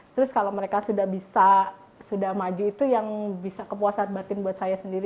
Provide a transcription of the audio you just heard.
terus kalau mereka sudah bisa sudah maju itu yang bisa kepuasan batin buat saya sendiri